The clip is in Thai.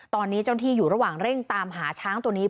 ตอนนี้เจ้าหน้าที่อยู่ระหว่างเร่งตามหาช้างตัวนี้